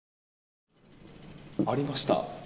ありました。